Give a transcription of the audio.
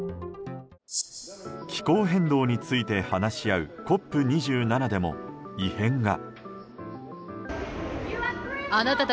気候変動について話し合うＣＯＰ２７でも異変が。